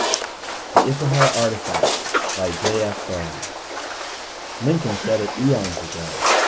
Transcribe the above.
pgdp.net THE ISSAHAR ARTIFACTS By J. F. BONE _Lincoln said it eons ago....